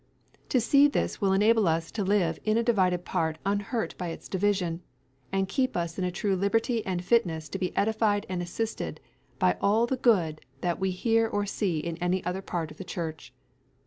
To see this will enable us to live in a divided part unhurt by its division, and keep us in a true liberty and fitness to be edified and assisted by all the good that we hear or see in any other part of the Church.